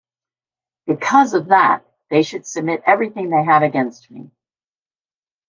Because of that, they should submit everything they have against me.